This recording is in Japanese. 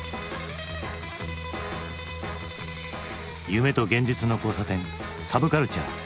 夢と現実の交差点サブカルチャー。